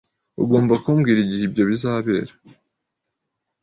Ugomba kumbwira igihe ibyo bizabera.